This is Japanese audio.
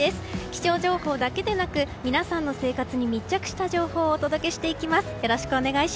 気象情報だけでなく皆さんの生活に密着した情報をお届けしていきます。